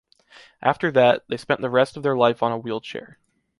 After that, they spent the rest of their life on a wheelchair.